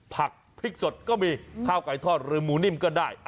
ผักพริกสดก็มีข้าวไก่ทอดหรือหมูนิ่มก็ได้